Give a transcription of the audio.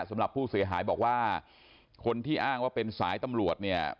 สำหรับผู้เสียหายบอกว่าคนที่อ้างว่าเป็นสายตำรวจเนี่ย